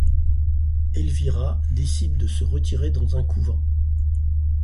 Elvira décide de se retirer dans un couvent.